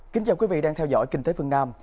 kính chào quý vị đang theo dõi kinh tế phương nam